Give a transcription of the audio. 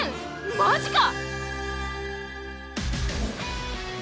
マジか！